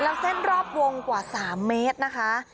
แล้วเส้นรอบวงกว่า๓เมตรนะคะ